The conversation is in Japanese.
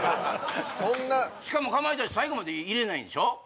そんなしかもかまいたち最後までいれないんでしょ？